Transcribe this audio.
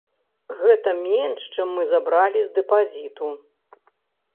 Гэта менш, чым мы забралі з дэпазіту.